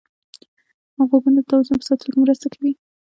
غوږونه د توازن په ساتلو کې مرسته کوي